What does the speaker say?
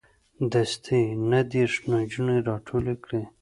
دستې یې نه دېرش نجونې راټولې کړې.